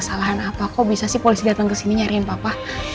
sampai jumpa di video selanjutnya